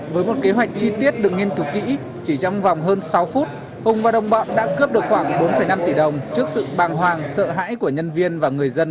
với một kế hoạch chi tiết được nghiên thụ kỹ chỉ trong vòng hơn sáu phút hùng và đồng bọn đã cướp được khoảng bốn năm tỷ đồng trước sự bàng hoàng sợ hãi của nhân viên và người dân